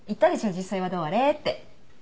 実際はどうあれって。